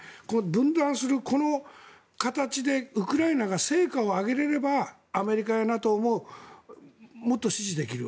分断する、この形でウクライナが成果を上げられればアメリカやＮＡＴＯももっと支持できる。